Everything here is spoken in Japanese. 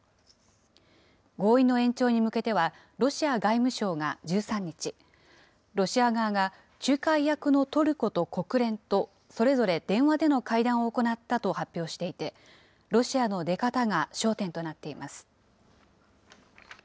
合意の延長に向けては、ロシア外務省が１３日、ロシア側が仲介役のトルコと国連とそれぞれ電話での会談を行ったと発表していて、ロシアの出方が焦点となっています。